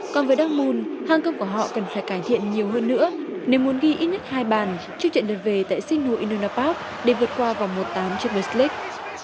còn với đông mùn hàng cấp của họ cần phải cải thiện nhiều hơn nữa nếu muốn ghi ít nhất hai bàn trước trận lượt về tại sinh hồ inunapop để vượt qua vòng một tám champions league